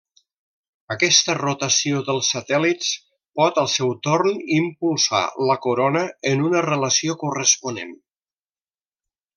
Aquesta rotació dels satèl·lits pot al seu torn impulsar la corona, en una relació corresponent.